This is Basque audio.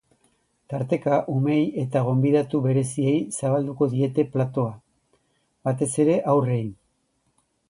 Tarteka umeei eta gonbidatu bereziei zabalduko diete platoa, batez ere haurrei.